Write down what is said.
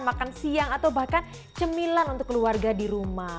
makan siang atau bahkan cemilan untuk keluarga di rumah